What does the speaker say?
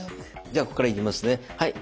じゃあここからいきますねはい。